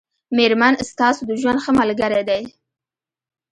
مېرمن ستاسو د ژوند ښه ملګری دی